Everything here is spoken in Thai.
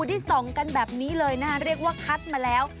ที่ส่องกันแบบนี้เลยนะเรียกว่าคัดมาแล้ว